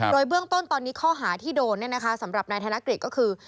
โดยเบื้องต้นตอนนี้ข้อหาที่โดนสำหรับนายธนกฤษก็คือ